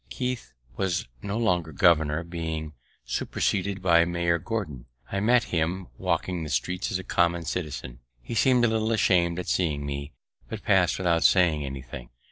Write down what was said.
Keith was no longer governor, being superseded by Major Gordon. I met him walking the streets as a common citizen. He seem'd a little asham'd at seeing me, but pass'd without saying anything.